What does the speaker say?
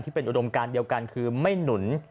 ที่เป็นอุดมการกันคือไม่หนุน